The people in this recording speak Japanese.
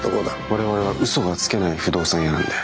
我々は嘘がつけない不動産屋さんなんで。